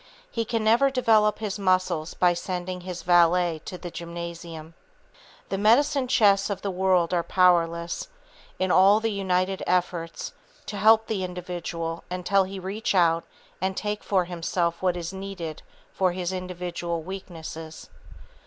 He can never develop his muscles by sending his valet to a gymnasium. The medicine chests of the world are powerless, in all the united efforts, to help the individual until he reach out and take for himself what is needed for his individual weakness.